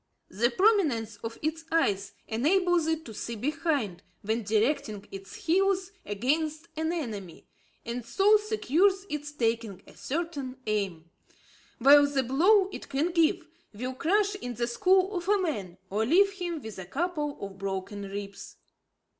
The prominence of its eyes enables it to see behind, when directing its heels against an enemy, and so secures its taking a certain aim; while the blow it can give will crush in the skull of a man, or leave him with a couple of broken ribs.